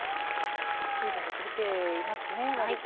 水分が出ていますね割と。